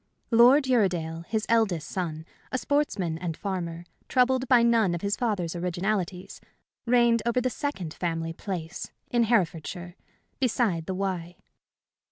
Lord Uredale, his eldest son, a sportsman and farmer, troubled by none of his father's originalities, reigned over the second family "place," in Herefordshire, beside the Wye.